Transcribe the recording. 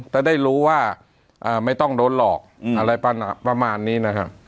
แต่ได้รู้ว่าอ่าไม่ต้องโดนหลอกอืมอะไรประมาณประมาณนี้นะครับ